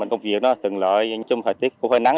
công việc nó thường lợi trong thời tiết cũng hơi nắng